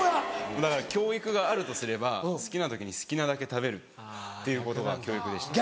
だから教育があるとすれば好きな時に好きなだけ食べるっていうことが教育でした。